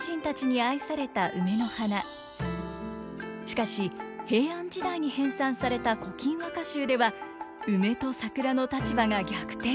しかし平安時代に編纂された「古今和歌集」では梅と桜の立場が逆転。